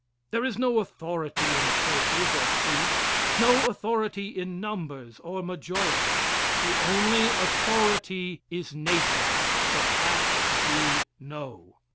There is no authority in churches or priests no authority in numbers or majorities. The only authority is Nature the facts we know.